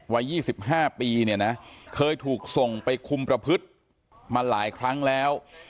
วัย๒๕ปีเนี่ยนะเคยถูกส่งไปคุมประพฤติมาหลายครั้งแล้ว